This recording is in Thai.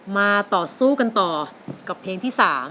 มาต่อสู้กันต่อกับเพลงที่๓